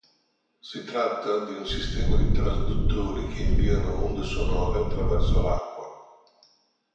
Si tratta di un sistema di trasduttori che inviano onde sonore attraverso l'acqua.